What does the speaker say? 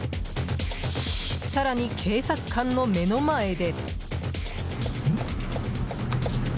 更に、警察官の目の前で。